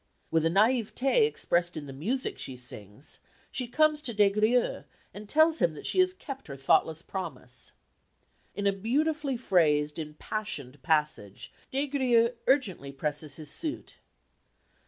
With a naïveté expressed in the music she sings, she comes to Des Grieux and tells him that she has kept her thoughtless promise. In a beautifully phrased impassioned passage Des Grieux urgently presses his suit.